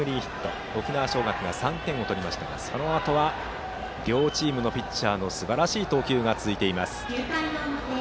これで沖縄尚学が３点を取りましたがそのあとは両チームのピッチャーのすばらしい投球が続いています。